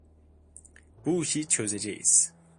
Bu işi çözeceğiz.